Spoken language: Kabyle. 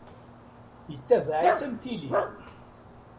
Yettabaɛ-itt am tili.